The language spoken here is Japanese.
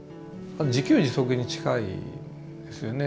自給自足に近いですよね。